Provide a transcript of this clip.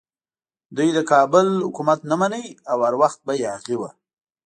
دوی د کابل حکومت نه مانه او هر وخت به یاغي وو.